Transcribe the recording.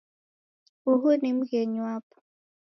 Uhu ni mghenyi wapo